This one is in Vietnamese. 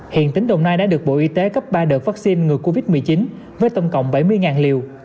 hiện tỉnh đồng nai đã được bộ y tế cấp ba đợt vaccine ngừa covid một mươi chín với tổng cộng bảy mươi liều